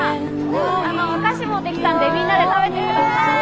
あのお菓子持ってきたんでみんなで食べてください。